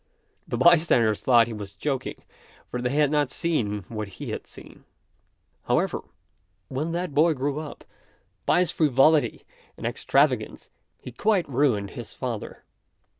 The bystanders thought he was joking, for they had not seen what he had seen. However, when that boy grew up, by his frivolity and extravagance he quite ruined his father.